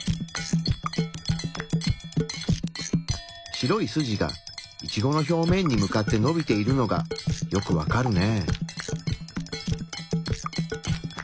白い筋がイチゴの表面に向かってのびているのがよくわかるね。